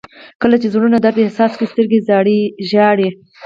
• کله چې زړونه درد احساس کړي، سترګې ژاړي.